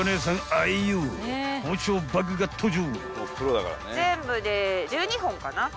愛用包丁バッグが登場］